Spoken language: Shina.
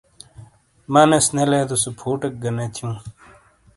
مانیس نے لیدو سے فُوٹیک گہ نے تھیوں۔